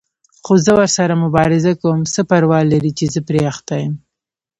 خو زه ورسره مبارزه کوم، څه پروا لري چې زه پرې اخته یم.